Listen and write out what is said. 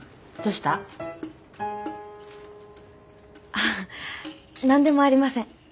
あ何でもありません。